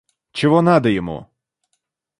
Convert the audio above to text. Чего надо ему?